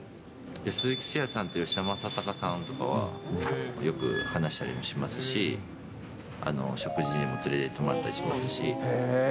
鈴木誠也さんとか、吉田正尚さんとかは、よく話したりもしますし、食事にも連れていってもらったりしますし。